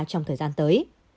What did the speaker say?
trong thời gian tới